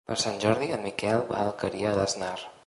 Per Sant Jordi en Miquel va a l'Alqueria d'Asnar.